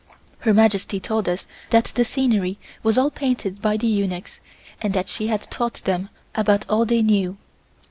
Her Majesty told us that the scenery was all painted by the eunuchs and that she had taught them about all they knew.